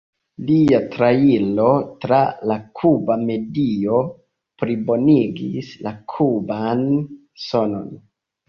Lia trairo tra la kuba medio plibonigis la kuban sonon.